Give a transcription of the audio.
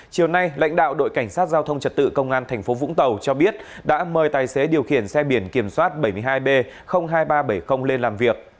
chiều nay lãnh đạo đội cảnh sát giao thông trật tự công an tp vũng tàu cho biết đã mời tài xế điều khiển xe biển kiểm soát bảy mươi hai b hai nghìn ba trăm bảy mươi lên làm việc